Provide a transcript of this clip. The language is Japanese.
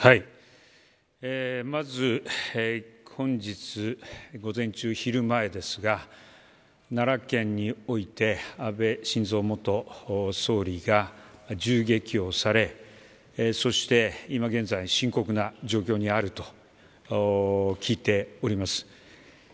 まず本日午前中、昼前ですが奈良県において安倍晋三元総理が銃撃をされそして、今現在深刻な状況にあると聞いております。